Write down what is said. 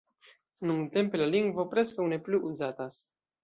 Nuntempe la lingvo preskaŭ ne plu uzatas.